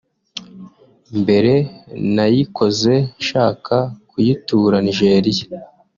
mbere nayikoze nshaka kuyitura Nigeria